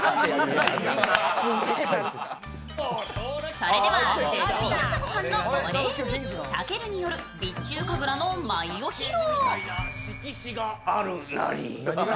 それでは絶品朝ご飯のお礼にたけるによる備中神楽の舞を披露。